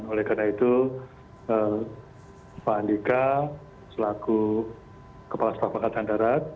oleh karena itu pak andika selaku kepala setafangkatan darat